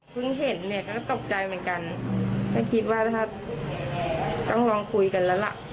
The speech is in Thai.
เห็นเนี่ยก็ตกใจเหมือนกันก็คิดว่าถ้าต้องลองคุยกันแล้วล่ะ